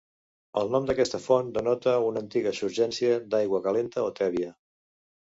El nom d'aquesta font denota una antiga surgència d'aigua calenta o tèbia.